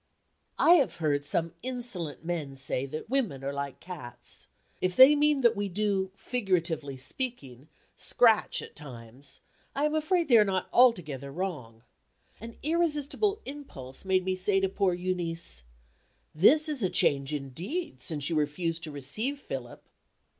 I have heard some insolent men say that women are like cats. If they mean that we do, figuratively speaking, scratch at times, I am afraid they are not altogether wrong. An irresistible impulse made me say to poor Euneece: "This is a change indeed, since you refused to receive Philip."